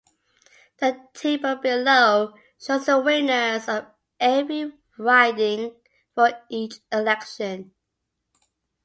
The table below shows the winners of every riding for each election.